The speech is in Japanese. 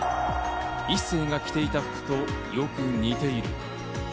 一星が着ていた服とよく似ている。